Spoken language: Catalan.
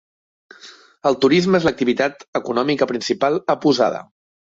El turisme és l'activitat econòmica principal a Posada.